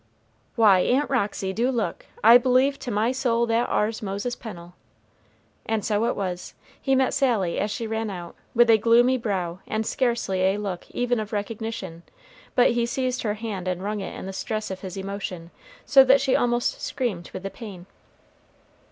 "Why, Aunt Roxy, do look; I believe to my soul that ar's Moses Pennel!" And so it was. He met Sally, as she ran out, with a gloomy brow and scarcely a look even of recognition; but he seized her hand and wrung it in the stress of his emotion so that she almost screamed with the pain.